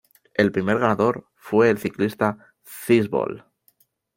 El primer ganador fue el ciclista Cees Bol.